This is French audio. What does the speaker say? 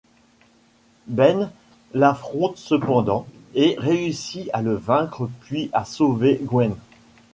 Ben l'affronte cependant et réussit à le vaincre puis à sauver Gwen.